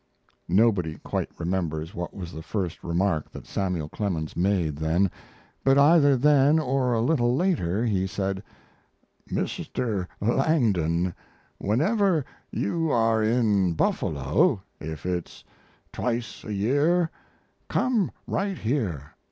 Nobody quite remembers what was the first remark that Samuel Clemens made then; but either then or a little later he said: "Mr. Langdon, whenever you are in Buffalo, if it's twice a year, come right here.